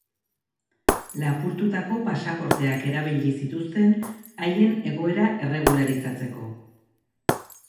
Lapurtutako pasaporteak erabili zituzten haien egoera erregularizatzeko.